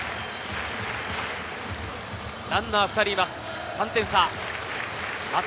ランナーは２人います。